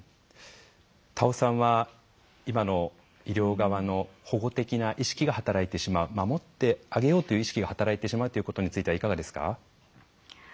田尾さんは今の医療側の保護的な意識が働いてしまう守ってあげようという意識が働いてしまうことについてはいかがですか？